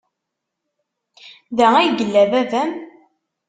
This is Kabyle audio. Da ay yella baba-m?